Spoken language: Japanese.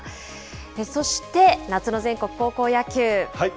そして夏の全国高校野球。